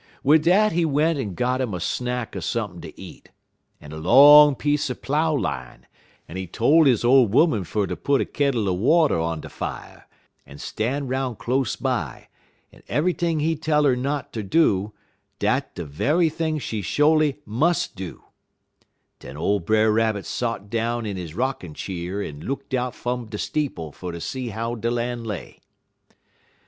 "Wid dat he went en got 'im a snack er sump'n' t' eat, en a long piece er plough line, en he tole he ole 'oman fer ter put a kittle er water on de fire, en stan' 'roun' close by, en eve'yt'ing he tell 'er not ter do, dat de ve'y t'ing she sho'ly mus' do. Den ole Brer Rabbit sot down in he rockin' cheer en lookt out fum de steeple fer ter see how de lan' lay.